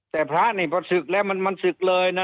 แต่พระนี่พอศึกแล้วมันศึกเลยนะ